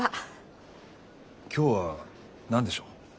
今日は何でしょう？